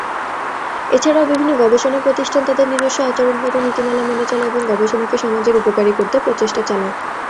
এছাড়াও বিভিন্ন গবেষণা প্রতিষ্ঠান তাদের নিজস্ব আচরণগত নীতিমালা মেনে চলে এবং গবেষণাকে সমাজের উপকারী করতে প্রচেষ্টা চালায়।